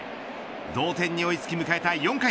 同点に追いつき迎えた４回。